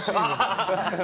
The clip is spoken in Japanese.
ハハハハ。